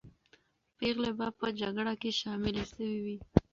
پېغلې به په جګړه کې شاملې سوې وې.